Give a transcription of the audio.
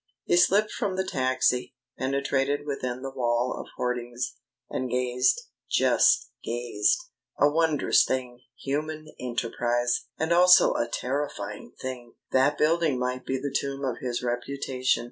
He slipped from the taxi, penetrated within the wall of hoardings, and gazed, just gazed! A wondrous thing human enterprise! And also a terrifying thing! ... That building might be the tomb of his reputation.